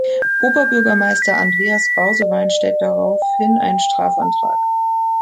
Oberbürgermeister Andreas Bausewein stellte daraufhin einen Strafantrag.